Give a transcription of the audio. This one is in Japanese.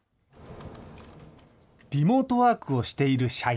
リモートワークをしている社員。